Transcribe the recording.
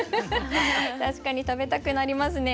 確かに食べたくなりますね。